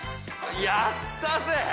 やったぜ！